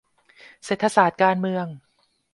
เศรษฐศาสตร์การเมือง